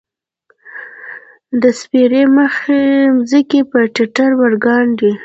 د سپیرې مځکې، پر ټټر ورګنډې